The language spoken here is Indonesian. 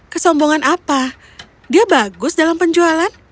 kesombongan apa dia bagus dalam penjualan